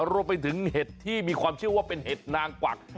เห็ดที่มีความเชื่อว่าเป็นเห็ดนางกวัก